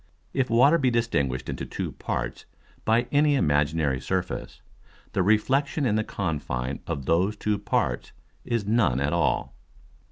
If Water be distinguish'd into two parts by any imaginary Surface, the Reflexion in the Confine of those two parts is none at all.